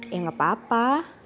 ya enggak apa apa